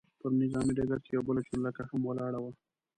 پر نظامي ډګر کې یوه بله چورلکه هم ولاړه وه.